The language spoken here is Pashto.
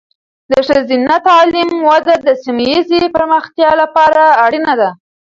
د ښځینه تعلیم وده د سیمه ایزې پرمختیا لپاره اړینه ده.